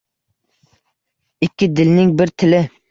Ikki dilning bir tili